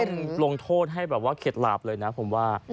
อันนี้ต้องลงโทษให้แบบว่าเข็ดหลาบเลยนะผมว่า